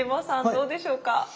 どうでしょうか？